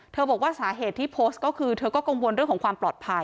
บอกว่าสาเหตุที่โพสต์ก็คือเธอก็กังวลเรื่องของความปลอดภัย